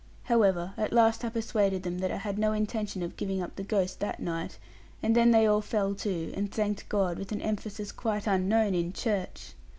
However, at last I persuaded them that I had no intention of giving up the ghost that night; and then they all fell to, and thanked God with an emphasis quite unknown in church.